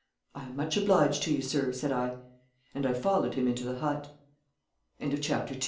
'I am much obliged to you, sir,' said I. And I followed him into the hut. CHAPTER III THE RUIN